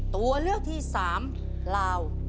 ตัวเลือกที่๓ลาว